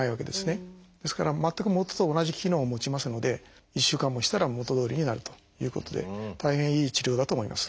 ですから全く元と同じ機能を持ちますので１週間もしたら元どおりになるということで大変いい治療だと思います。